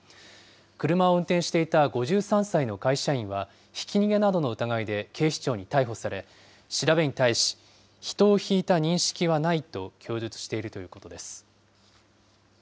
車を運転していた５３歳の会社員は、ひき逃げなどの疑いで警視庁に逮捕され、調べに対し、人をひいた認識はないと供述しているということです。